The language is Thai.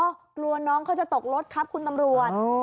กลัวน้องเขาจะตกรถครับคุณตำรวจ